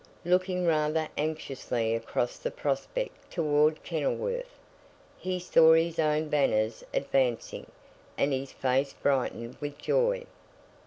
Looking rather anxiously across the prospect towards Kenilworth, he saw his own banners advancing; and his face brightened with joy.